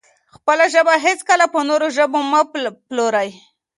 خپله ژبه هېڅکله په نورو ژبو مه پلورئ.